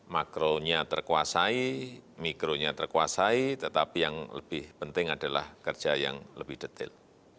makronya terkuasai mikronya terkuasai tetapi yang lebih penting adalah kerja yang lebih detail